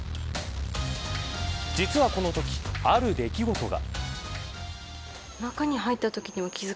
実はこのとき、ある出来事が。